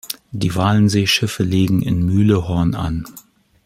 Die Walensee-Schiffe legen in Mühlehorn an.